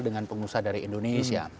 dengan pengusaha dari indonesia